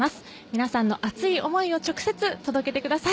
皆さんの熱い思いを直接届けてください。